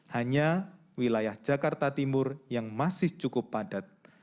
hanya wilayah jakarta timur yang masih cukup padat